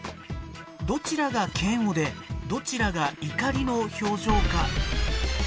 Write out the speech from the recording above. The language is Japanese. どちらが嫌悪でどちらが怒りの表情か。